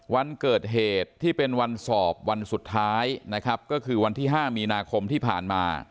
วันเกิดเหตุที่เป็นวันสอบวันสุดท้ายนะครับก็คือวันที่๕มีนาคมที่ผ่านมา